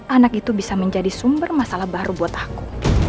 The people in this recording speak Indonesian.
anak itu bisa menjadi sumber masalah baru buat aku